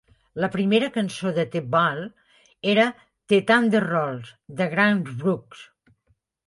La primera cançó a "The Bull" era "The Thunder Rolls" de Garth Brooks.